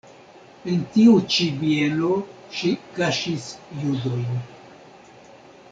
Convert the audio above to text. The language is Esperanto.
En tiu ĉi bieno ŝi kaŝis judojn.